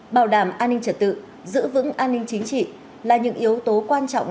bảo đảm an ninh trật tự giữ vững an ninh chính trị là những yếu tố quan trọng